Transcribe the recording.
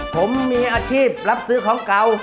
ผมมีอาชีพรับซื้อของเก่า